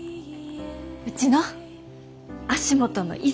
うちの足元の泉！